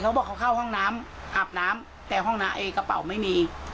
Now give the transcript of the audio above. เขาบอกเขาเข้าห้องน้ำอาบน้ำแต่ห้องน้ำเองกระเป๋าไม่มี